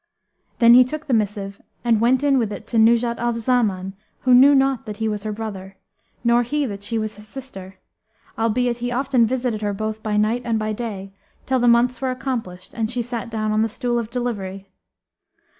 Then he took the missive and went in with it to Nuzhat al Zaman who knew not that he was her brother, nor he that she was his sister, albeit he often visited her both by night and by day till the months were accomplished and she sat down on the stool of delivery.